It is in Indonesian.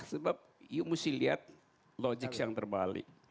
sebab you mesti lihat logis yang terbalik